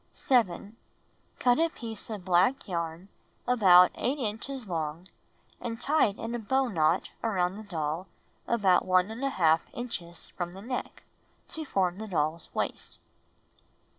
7. Cut a piece of black yarn about 8 inches long and tie it in a bow knot around the doll about 1| inches from the neck, to form the doll's waist.